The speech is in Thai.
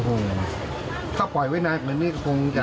โอ้โฮถ้าป่วยให้ไหนกับนี่คงอยากกลับ